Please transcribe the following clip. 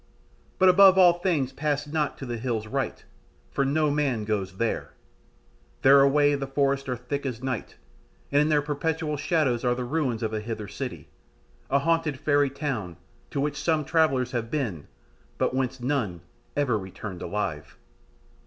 But above all things pass not to the hills right, for no man goes there; there away the forests are thick as night, and in their perpetual shadows are the ruins of a Hither city, a haunted fairy town to which some travellers have been, but whence none ever returned alive."